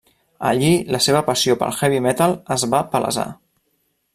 Allí la seva passió pel heavy metal es va palesar.